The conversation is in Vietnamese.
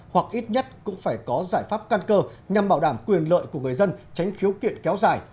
hoặc ít nhất cũng phải có giải pháp căn cơ nhằm bảo đảm quyền lợi của người dân tránh khiếu kiện kéo dài